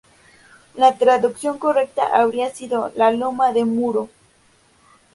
La traducción correcta habría sido "La Loma de Muro".